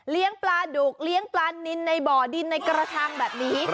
ปลาดุกเลี้ยงปลานินในบ่อดินในกระทังแบบนี้